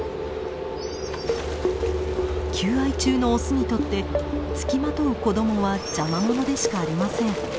求愛中のオスにとってつきまとう子供は邪魔者でしかありません。